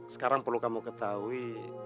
sekarang perlu kamu ketahui